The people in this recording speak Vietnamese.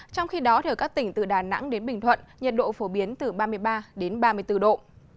trong khi đó các tỉnh từ đà nẵng đến bình thuận nhiệt độ phổ biến từ ba mươi ba đến ba mươi bốn độ